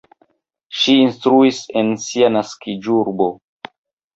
Ŝi instruis en sia naskiĝurbo.